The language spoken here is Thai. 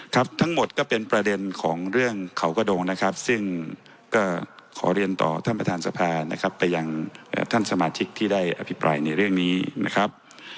ครับทั้งหมดก็เป็นประเด็นของเรื่องเขากระดงนะครับซึ่งก็ขอเรียนต่อท่านประธานสภานะครับไปยังท่านสมาชิกที่ได้อภิปรายในเรื่องนี้นะครับ